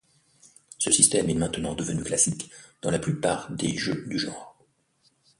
Ce système est maintenant devenu classique dans la plupart des jeux du genre.